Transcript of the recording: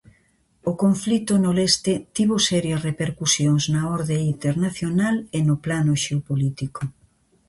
O conflito no leste tivo serías repercusións na orde internacional e no plano xeopolítico.